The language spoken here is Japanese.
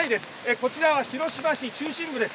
こちらは広島市中心部です。